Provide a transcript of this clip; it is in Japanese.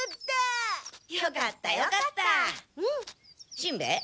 しんべヱ？